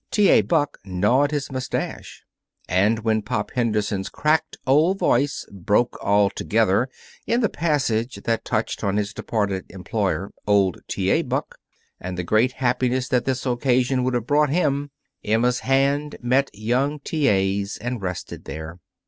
T. A. Buck gnawed his mustache. And when Pop Henderson's cracked old voice broke altogether in the passage that touched on his departed employer, old T. A. Buck, and the great happiness that this occasion would have brought him, Emma's hand met young T. A.'s and rested there.